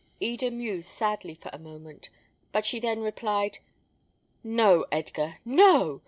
Eda mused sadly for a moment; but she then replied, "No, Edgar, no!